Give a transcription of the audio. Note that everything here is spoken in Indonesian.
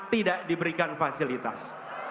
tidak diberikan fasilitas